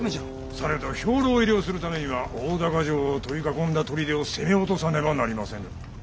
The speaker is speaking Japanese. されど兵糧入れをするためには大高城を取り囲んだ砦を攻め落とさねばなりませぬ。